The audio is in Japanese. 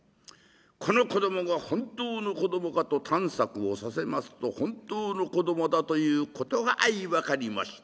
この子供が本当の子供かと探索をさせますと本当の子供だということが相分かりました。